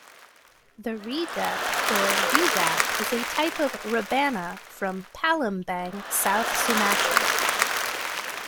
The redep or redap is a type of rebana from Palembang, South Sumatra.